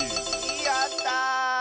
やった！